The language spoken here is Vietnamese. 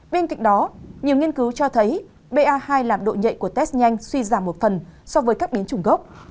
bên cạnh đó nhiều nghiên cứu cho thấy ba hai làm độ nhạy của test nhanh suy giảm một phần so với các biến chủng gốc